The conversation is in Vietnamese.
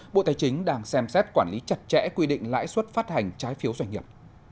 bộ tài chính đang xem xét quản lý chặt chẽ quy định lãi suất phát hành trái phiếu doanh nghiệp